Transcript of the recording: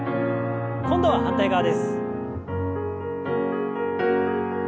今度は反対側です。